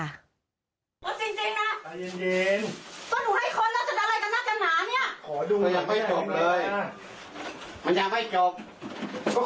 ต้องดูตรงนั้นอะได้ไหม